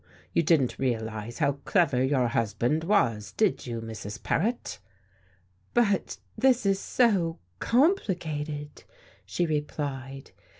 You didn't realize how clever your husband was did you, Mrs. Paret?" "But this is so complicated," she replied.